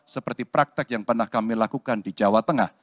seperti praktek yang pernah kami lakukan di jawa tengah